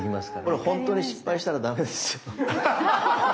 これ本当に失敗したらダメですよ。